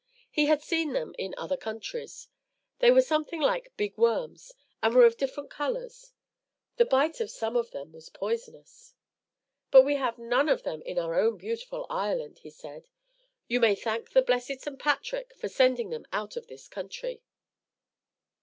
He had seen them in other countries. They were something like big worms, and were of different colours. The bite of some of them was poisonous. "But we have none of them in our own beautiful Ireland," he said. "You may thank the blessed St. Patrick for sending them out of this country."